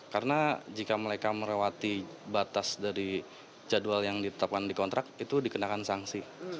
karena jika mereka melewati batas dari jadwal yang ditetapkan di kontrak itu dikenakan sanksi